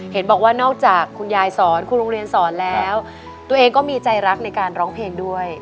เห็นบอกว่านอกจากคุณยายสอนคุณโรงเรียนสอนแล้วตัวเองก็มีใจรักในการร้องเพลงด้วย